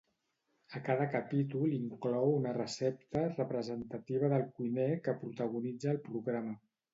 A cada capítol inclou una recepta representativa del cuiner que protagonitza el programa.